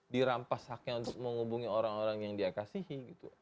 dirampas haknya untuk menghubungi orang orang yang dikasihi